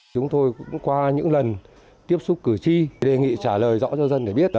chúng tôi cũng qua những lần tiếp xúc cử tri đề nghị trả lời rõ cho dân để biết là